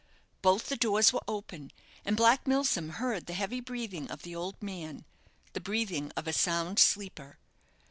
Both the doors were open, and Black Milsom heard the heavy breathing of the old man the breathing of a sound sleeper.